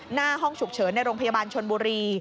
หน้าห้องฉุกเฉินในโรงพยาบาลชนบุรี